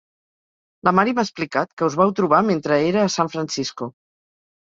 La Mary m'ha explicat que us vau trobar mentre era a San Francisco.